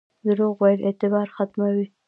دروغ ویل اعتبار ختموي